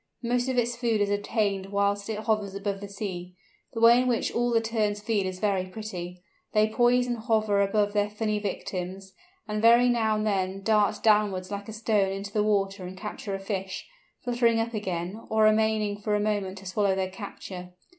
Most of its food is obtained whilst it hovers above the sea. The way in which all the Terns feed is very pretty. They poise and hover above their finny victims, and every now and then dart downwards like a stone into the water and capture a fish, fluttering up again, or remaining for a moment to swallow their capture.